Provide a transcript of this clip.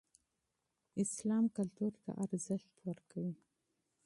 اسلام فرهنګ ته ارزښت ورکوي.